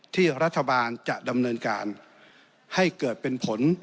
ที่รัฐบาลจะดำเนินการให้เกิดเป็นผล